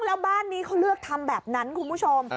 แล้วบ้านนี้เขาเลือกทำแบบนั้นคุณผู้ชม